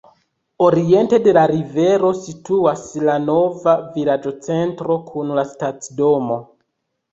Oriente de la rivero situas la nova vilaĝocentro kun la stacidomo.